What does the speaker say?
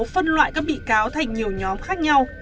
phân loại các bị cáo thành nhiều nhóm khác nhau